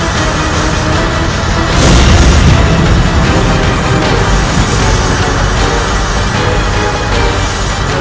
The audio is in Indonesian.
aku harus menggunakan ajem pabuk kasku